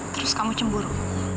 terus kamu cemburu